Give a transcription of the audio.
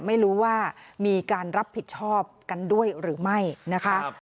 ไม่รู้ว่ามีการรับผิดชอบกันด้วยหรือไม่นะคะ